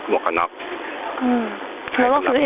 ต้นทุนถ้าเราจะปฏิเสธ